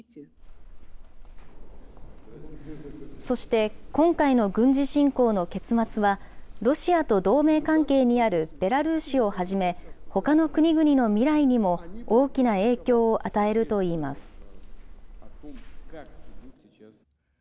そして、今回の軍事侵攻の結末は、ロシアと同盟関係にあるベラルーシをはじめ、ほかの国々の未来にも大きな影響を与えるといいます。